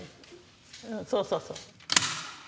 そうそうそう。